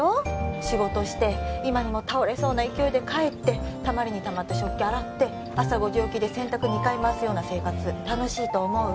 仕事して今にも倒れそうな勢いで帰ってたまりにたまった食器洗って朝５時起きで洗濯２回回すような生活楽しいと思う？